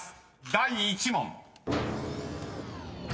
第１問］